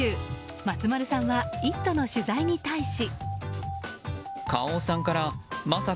松丸さんは「イット！」の取材に対し。